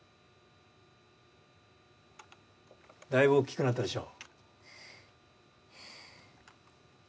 だいぶ大きくなったでしょう？